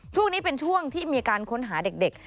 ช่วงนี้เป็นช่วงที่มีการค้นหาเด็ก